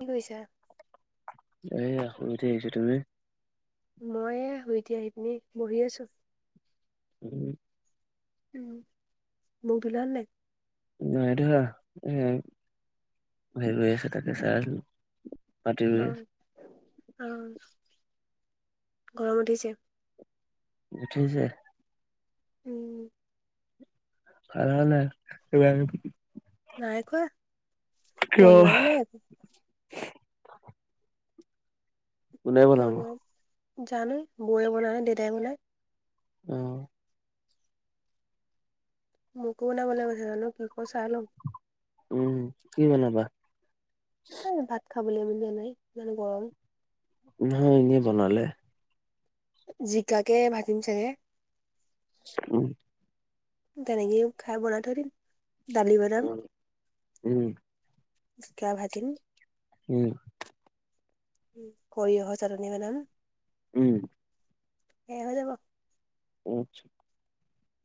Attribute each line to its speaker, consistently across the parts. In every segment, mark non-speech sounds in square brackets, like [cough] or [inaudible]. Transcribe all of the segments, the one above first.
Speaker 1: কি কৰিছা।
Speaker 2: এ আ শুই উঠি আহিছো তুমি।
Speaker 1: মই উুই উতি আহি পিনি বহি আছো। [unintelligible]
Speaker 2: উম।
Speaker 1: উম মুক ধুলালে নে নাই।
Speaker 2: নাই ধোৱা হম আছে তাকে চাইআছিলো।
Speaker 1: আৰু আৰু গৰম উঠিছে।
Speaker 2: উঠিছে।
Speaker 1: উম।
Speaker 2: খালানে নাই [unintelligible]
Speaker 1: নাই খোৱা,
Speaker 2: কিয়
Speaker 1: বনোৱাই নাই একো।
Speaker 2: [inaudible] কোনে বনাব।
Speaker 1: বনোৱা জানো বৌ বনাই নে দেউতাই বনাই।
Speaker 2: আহ।
Speaker 1: মোকো বনাবলৈ কৈছে জানো কি কৰু চাই লম। [unintelligible]
Speaker 2: উম কি বনাবা।
Speaker 1: ন ভাত খাবলৈ ইমান দিয় নাই ইমান গৰম। [unintelligible]
Speaker 2: নহয় এনেই বনালে।
Speaker 1: জিকাকে ভাজিম চাগে।
Speaker 2: উ।
Speaker 1: তেনেকে খাই বনাই থৈ দিম, দালি বনাম।
Speaker 2: উম উম
Speaker 1: জিকা ভাজিম।
Speaker 2: উম।
Speaker 1: কৰি অহ চাটনী মাদাম। [unintelligible]
Speaker 2: উম।
Speaker 1: এব দোব।
Speaker 2: আছা।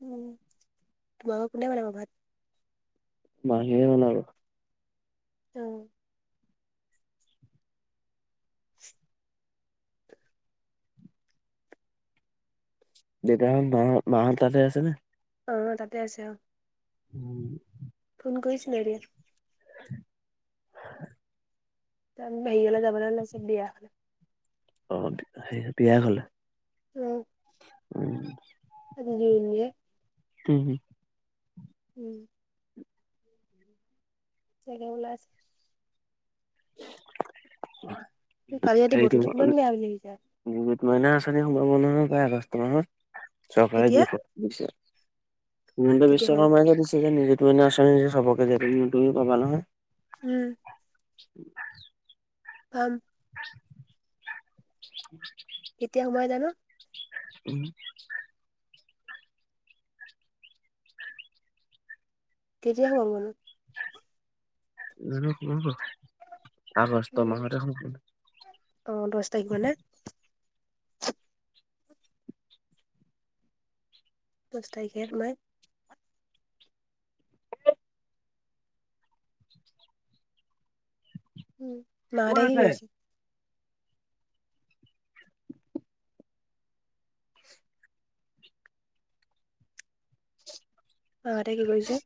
Speaker 1: উম, তোমোকৰ কোনে বনাব ভাত।
Speaker 2: মহিয়ে বনাব।
Speaker 1: অহ।
Speaker 2: দেউতাহত মাহ মাহ তালতে আছে নে।
Speaker 1: অ তাতে আছে অ।
Speaker 2: উম [inaudible]
Speaker 1: গৈছ নয়-
Speaker 2: [unintelligible]
Speaker 1: হেৰীলে যাব লৈছে বিয়া খাবলে-
Speaker 2: অ সেই বিয়া ঘৰলে-
Speaker 1: উম-
Speaker 2: উ-
Speaker 1: আ নিনে-
Speaker 2: উম-
Speaker 1: উম যাব ওলাই‌ আছে- কালি ৰাতি
Speaker 2: হেৰী টো-
Speaker 1: বতৰটো কিমান বেয়া বুলি আহিছে
Speaker 2: মইনা আঁচনি সোমাব নহয় প্ৰায় আগষ্ট মাহত চৰকাৰে
Speaker 1: কেতিয়া
Speaker 2: দি পছে- হিমন্ত
Speaker 1: কেতিয়া
Speaker 2: বিশ্ব
Speaker 1: সোমাম
Speaker 2: শৰ্মাই যে দিছে যে নিযুত মইনা আচনি যে চবকে যে তুমি পাবা নহয়-
Speaker 1: উম-
Speaker 2: উম- [unintelligible]
Speaker 1: অম [unintelligible]
Speaker 2: [unintelligible]
Speaker 1: কেতিয়া সোমাই জানো?
Speaker 2: উম [unintelligible]
Speaker 1: কেতিয়া সোমাব নো?
Speaker 2: গ- আগষ্ট
Speaker 1: উম
Speaker 2: মাহতে হ-
Speaker 1: অ দহ তাৰিখ মানে দহ তাৰিখে সোমায়- উ মা
Speaker 2: ক'ত
Speaker 1: হঁতে কি
Speaker 2: আছে?
Speaker 1: কৰিছে? মা হঁতে কি কৰিছে?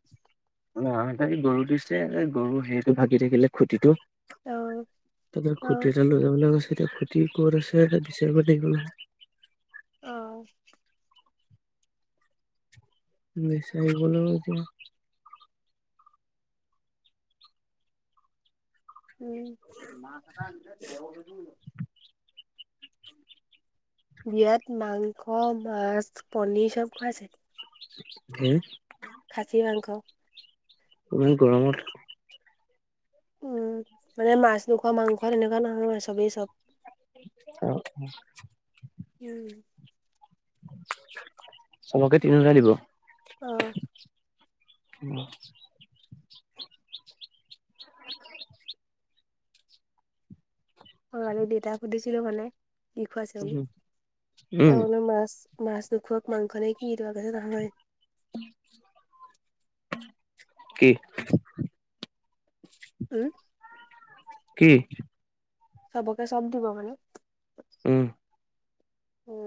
Speaker 2: ন এই গৰু দিছে গৰু হেৰিটো ভাগি থাকিলে খুটিটো-
Speaker 1: অ
Speaker 2: তাৰপিছত
Speaker 1: অ
Speaker 2: খুটি এটা লৈ যাব কৈছে- এতিয়া খুতি ক'ত আছে বিচাৰিব লাগিব নহ‌য়-
Speaker 1: আহ-
Speaker 2: বচাৰিব এতিয়া-
Speaker 1: উম ম ক- বিয়াত মাংস মাছ পনিৰ চব খুৱাইছে-
Speaker 2: হম-
Speaker 1: খাছি মাংস-
Speaker 2: ত গৰমত-
Speaker 1: উম মানে মাছ দুখন মাংস তেনেকুৱা নহয় চবেই চব
Speaker 2: অহ
Speaker 1: উম
Speaker 2: চবকে তিনিওটাই দিব
Speaker 1: অহ
Speaker 2: অহ [unintelligible]
Speaker 1: কালি দেতাক সুধিছিলো মানে কি খোৱাইছে বুলি
Speaker 2: উম
Speaker 1: তাওনৰ মাছ মাছ নোখোৱাক মাংস নে কি এটাই নহয়।
Speaker 2: কি
Speaker 1: উম।
Speaker 2: কি।
Speaker 1: চবকে চব দিব মানে
Speaker 2: উম।
Speaker 1: হা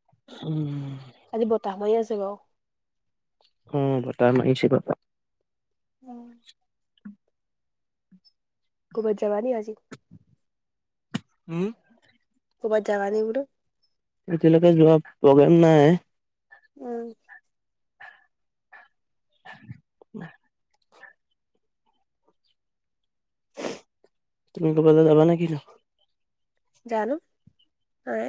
Speaker 2: উম।
Speaker 1: আজি বতাহ মাৰি আছে বাওঁ।
Speaker 2: উমঁ বতাহ মাৰিছে বা।
Speaker 1: উম। ক'বাত যাবা নি আজি?
Speaker 2: উম।
Speaker 1: ক'বাত যাবা নি বোলো।
Speaker 2: এতিয়ালৈকে যোৱা প্ৰগ্ৰেম নায়।
Speaker 1: উমঁ।
Speaker 2: [unintelligible] তুমি ক'বালৈ যাবা নে কিনো?
Speaker 1: জানো হে।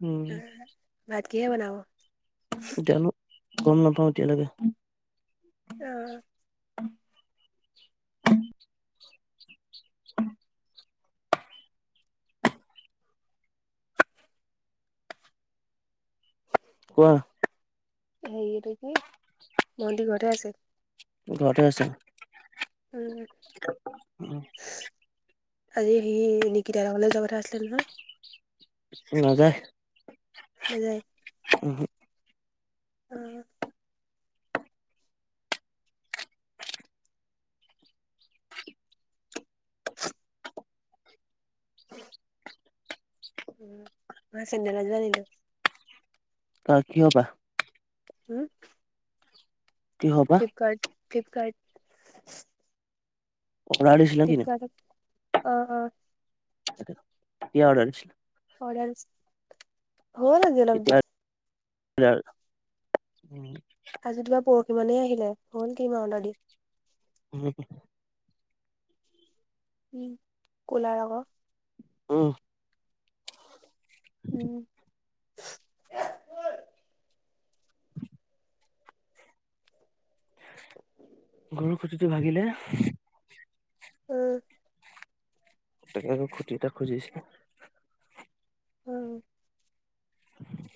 Speaker 2: উম।
Speaker 1: ভাত কিহে বনাব?
Speaker 2: জানো গম নাপাওঁ এতিয়ালৈকে।
Speaker 1: অহ।
Speaker 2: [unintelligible] [unintelligible] কোৱা।
Speaker 1: সেই এইটো টো কি ভণ্টি ঘৰতে আছে?
Speaker 2: ঘৰতে আছে
Speaker 1: উম
Speaker 2: উম।
Speaker 1: আজি সি নিকিতা ঘৰলে যোৱা কথা আছিলে নহয়।
Speaker 2: নাজায়।
Speaker 1: নাজায়। অ।
Speaker 2: [unintelligible]
Speaker 1: উম মই চেণ্ডেল এজোৰ আনিলো।
Speaker 2: কাৰ কিহৰ পৰা?
Speaker 1: হম।
Speaker 2: কি হবা
Speaker 1: ফ্লিপকাৰ্ট ফ্লিপকাৰ্ট।
Speaker 2: অৰ্ডাৰ দিছিলা কি নো।
Speaker 1: অঁ অঁ।
Speaker 2: কেতিয়া অৰ্ডাৰ দিছিলা?
Speaker 1: অৰ্ডাৰ হ'ল আজি অলপ দিন।
Speaker 2: [unintelligible] উম।
Speaker 1: আজি তোমাৰ পৰহি মানেই আহিলে। হ'ল [unintelligible] অৰ্ডাৰ দি।
Speaker 2: [unintelligible]
Speaker 1: উম কুলা ৰঙৰ
Speaker 2: উম।
Speaker 1: উমঁ।
Speaker 2: গৰুৰ খুটিটো ভাগিলে।
Speaker 1: উমঁ।
Speaker 2: টাকে আকৌ খুটি এটা খুজিছে।
Speaker 1: উম,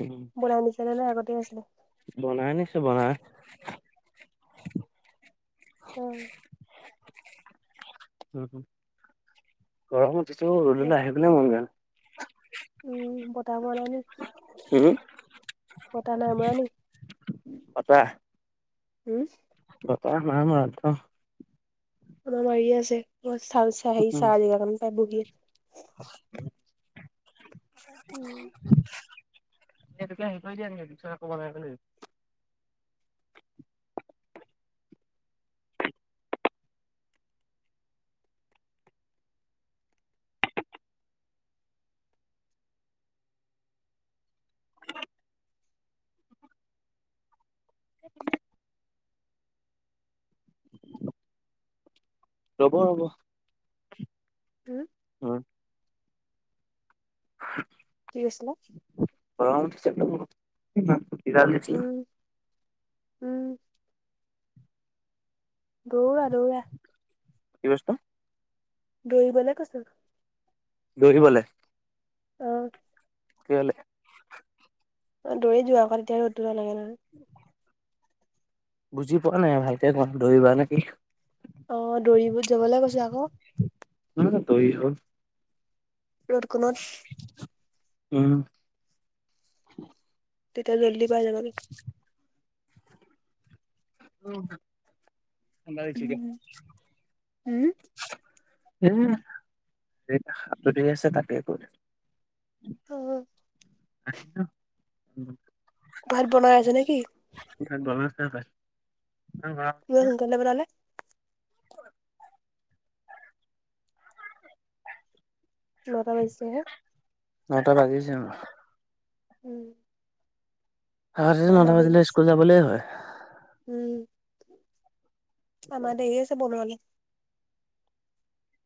Speaker 2: উমঁ
Speaker 1: বনাই দিছেনে নাই আগতে আছিলে
Speaker 2: বনাই নিছোঁ বনাই।
Speaker 1: অ।
Speaker 2: উমঁ, গৰম উঠিছে অওঁ
Speaker 1: বত
Speaker 2: ৰদলে আহিবলে মন যোৱা
Speaker 1: কা বনাইনো
Speaker 2: হুম।
Speaker 1: বতাহ নাই মৰা নি
Speaker 2: বতাহ
Speaker 1: হুম?
Speaker 2: বতাহ নাই মৰা ক।
Speaker 1: কোনোবা এৰিয়ে আছে, কিবা ছালচাহ হেৰি চা বুলি কয় সেইখন তাই বগীয়ে
Speaker 2: [unintelligible] এটোকে
Speaker 1: উম
Speaker 2: হেৰি কৰি দিয়া নেকি [inaudible] [inaudible] ৰ'ব ৰ'ব!
Speaker 1: হুম!
Speaker 2: [inaudible]
Speaker 1: কি কৈছিলা
Speaker 2: গৰম উঠিছে বহুত [inaudible]
Speaker 1: উম উম দৌৰা দৌৰা।
Speaker 2: কি বস্তু?
Speaker 1: দৌৰিবলে কৈছোঁ।
Speaker 2: দৌৰিবলে।
Speaker 1: অহ।
Speaker 2: কি হলে?
Speaker 1: অ দৌৰি যোৱা আকৌ তেতিয়া ৰদটো নালাগে নহয়।
Speaker 2: বুজি পোৱা নাই ভালকে কোৱা দৌৰিবা নেকি?
Speaker 1: অ দৌৰিব যাবলে কৈছো আকৌ।
Speaker 2: তই হ
Speaker 1: ৰড কনত।
Speaker 2: উম।
Speaker 1: তেতিয়া জল্দি পাই যাবা গে। উম
Speaker 2: [inaudible]
Speaker 1: উম।
Speaker 2: উম যি আছে তাকে কৰোঁ।
Speaker 1: অহ।
Speaker 2: [inaudible]
Speaker 1: ভাত বনাই আছে নেকি?
Speaker 2: [inaudible]
Speaker 1: ইমান সোনকালে বনালে? নটা বাজিছে হে।
Speaker 2: নটা বাজিছে অহ।
Speaker 1: উম।
Speaker 2: আগতেটো নটা
Speaker 1: আমাৰ দেৰি
Speaker 2: বাজিলে স্কুল যাবলে হয়।
Speaker 1: উম আমাৰ দেৰি আছে বনুৱালে।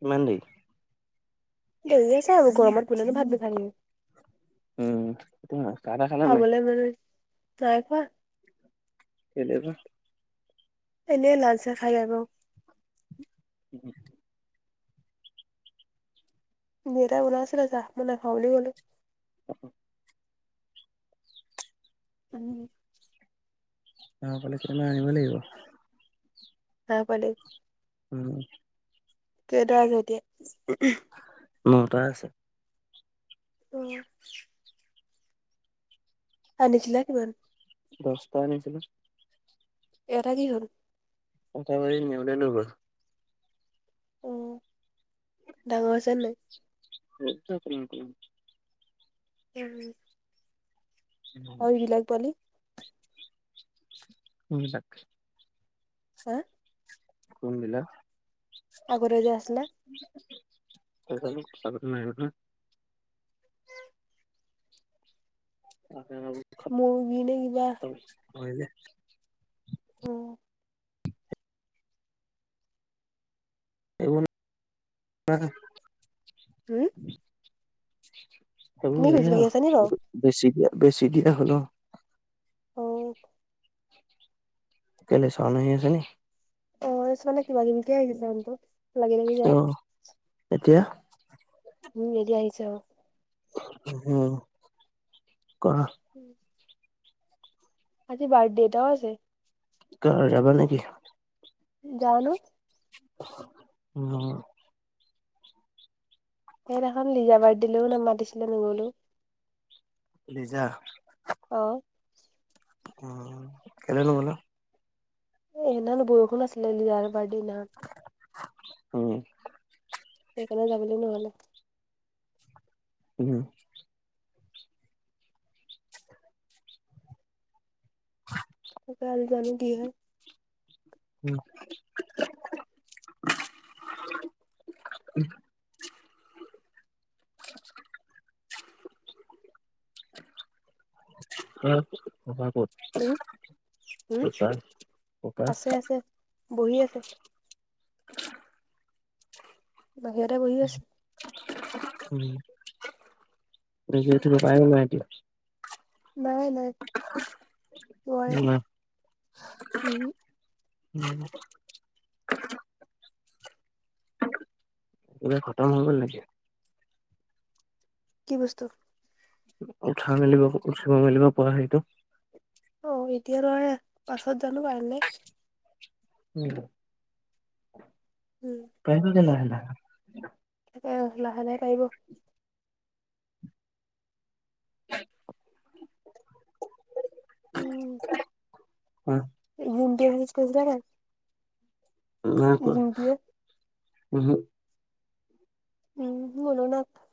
Speaker 2: কিমান দেৰি?
Speaker 1: দেৰি আছে আৰু গৰমত কোনেনো ভাত বনাই।
Speaker 2: উম, তুমি চাহ টাহ খালা নাই?
Speaker 1: খাবলৈ মন নাই খোৱা।
Speaker 2: কেলে বা?
Speaker 1: এনেই লাল চাহ খাই বেয়া পাওঁ।
Speaker 2: [unintelligible]
Speaker 1: দেতাই বনাইচিলে চাহ মই নাখাওঁ বুলি কলোঁ।
Speaker 2: অ
Speaker 1: উম
Speaker 2: অ গাওঁ ঘৰলে কেতিয়াবা আনিব লাগিব।
Speaker 1: [inaudible]
Speaker 2: উম
Speaker 1: কেইটা আছে এতিয়া
Speaker 2: নটা আছে।
Speaker 1: উম আনিছিলা কিমান?
Speaker 2: দস্তা আনিছিলোঁ
Speaker 1: এটা কি হল?
Speaker 2: [unintelligible]
Speaker 1: অ ডাঙৰ হৈছে নাই?
Speaker 2: [unintelligible]
Speaker 1: উম অ এইবিলাক পোৱালি
Speaker 2: সিবিলাক
Speaker 1: হা
Speaker 2: কোন বিলাক
Speaker 1: আগতে যে আছিলে
Speaker 2: [unintelligible]
Speaker 1: [unintelligible]
Speaker 2: হয়নে
Speaker 1: উম
Speaker 2: এইবোৰ
Speaker 1: হুম
Speaker 2: হ'ব
Speaker 1: তুমি
Speaker 2: এইয়া
Speaker 1: খোজকাঢ়ি আছা নি বাৰু
Speaker 2: বেছি দিয়া বেছি দিয়া হল
Speaker 1: অ
Speaker 2: [unintelligible]
Speaker 1: [unintelligible] যায়
Speaker 2: অহ এতিয়া
Speaker 1: উম এতিয়া আহিছে
Speaker 2: উম কৰা
Speaker 1: আজি বাৰ্থডেটাও আছে
Speaker 2: কাৰ যাবা নেকি?
Speaker 1: যানো
Speaker 2: উম
Speaker 1: সেইদিখন লিজা বাৰ দিলোও ন মাতিছিলে নগলো
Speaker 2: লিজা
Speaker 1: অ
Speaker 2: উম কেলে নগলা
Speaker 1: এ এনে বৰষুণ আছিলে ন লিজাৰ বাৰ্থডে দিনাখন
Speaker 2: উম
Speaker 1: সেইকাৰণে যাবলৈ নহলে
Speaker 2: উম
Speaker 1: [unintelligible]
Speaker 2: [unintelligible] [unintelligible] অ ক কত
Speaker 1: উম, উম,
Speaker 2: ককাৰ
Speaker 1: আছে
Speaker 2: [unintelligible]
Speaker 1: আছে বহি আছে। বাহিৰৰে বহি আছো
Speaker 2: দে থ উপায় নাই এতিয়া [unintelligible]
Speaker 1: নাই নাই নোৱাৰে
Speaker 2: উম
Speaker 1: উম,
Speaker 2: উম গোটেই খটম হৈ গ'ল নেকি [unintelligible]
Speaker 1: কি বস্তু
Speaker 2: উৎসাহ মেলিব উঠিব মেলিব পোৱা সেইটো
Speaker 1: অ', এতিয়া লয় পাছত জানো পাই নে [unintelligible] উম,
Speaker 2: কাৰেন্ত দে না [unintelligible]
Speaker 1: আ লাহে লাহে পাৰিব
Speaker 2: [unintelligible] [inaudible]
Speaker 1: উম
Speaker 2: অ
Speaker 1: জিন্তিয়ে উইছ কৰিছিলে নাই [unintelligible]
Speaker 2: নাইকৰা
Speaker 1: জিম্পীয়ে
Speaker 2: ওহোঁ
Speaker 1: উম মুলেও নাইকৰা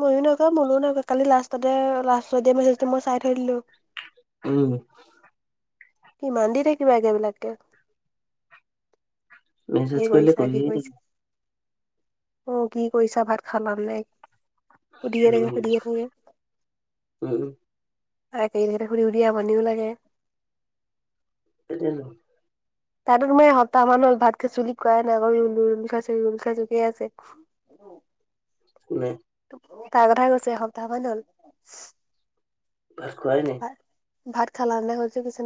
Speaker 1: ময়ো নাইকৰা মোলৈ নাইকৰা কালি লাষ্টতে লাষ্টত দিয়া মেচেজটো মই চাই থৈ দিলো
Speaker 2: উম
Speaker 1: কিমান দি থাকিবা একেবিলাকে কি
Speaker 2: মেছেজ কৰিলে
Speaker 1: কৰিছা কি
Speaker 2: কৰিয়ে থাকে
Speaker 1: কৰিছা অ কি কৰিছা ভাত খালা নে নাই শুধিয়ে থাকে
Speaker 2: উম
Speaker 1: শুধিয়ে থাকে একে গিতাকে শুধি শুধি আমনিও লাগে
Speaker 2: এতিয়া নো
Speaker 1: তাতো তোমাৰ এ সপ্তাহ মান হ'ল ভাত খাইছু বুলি কোৱাই নাই অকল ৰুল ৰুল খাইছো ৰুল খাইছো কে আছে
Speaker 2: নাই
Speaker 1: তাই কথাই কৈছো এসপ্তাহ মান হ'ল
Speaker 2: ভাত খুৱাই নাই
Speaker 1: ভাত ভাত খালানে শুধিছো কৈছে